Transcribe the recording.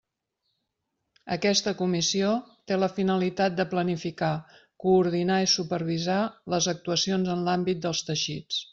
Aquesta Comissió té la finalitat de planificar, coordinar i supervisar les actuacions en l'àmbit dels teixits.